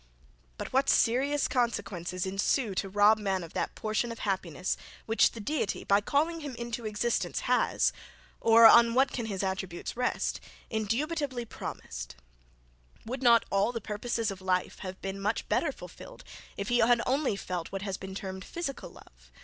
But what serious consequences ensue to rob man of that portion of happiness, which the Deity by calling him into existence has (or, on what can his attributes rest?) indubitably promised; would not all the purposes of life have been much better fulfilled if he had only felt what has been termed physical love?